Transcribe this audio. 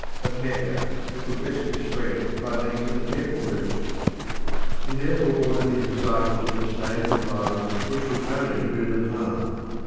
At Mecca it could best be spread by means of the gentle virtues; he therefore ordered his disciples to abstain from violence which would only do them harm.